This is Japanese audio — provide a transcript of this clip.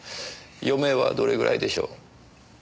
余命はどれぐらいでしょう？